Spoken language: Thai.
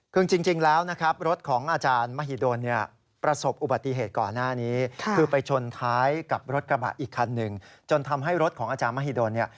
คือจริงแล้วนะครับรถของอาจารย์มหิดลประสบอุบัติเหตุก่อนหน้านี้